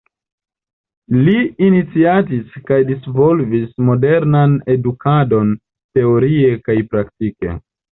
Li iniciatis kaj disvolvis modernan edukadon teorie kaj praktike.